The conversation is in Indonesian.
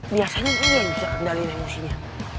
biasanya ini yang bisa kendaliin emosi nya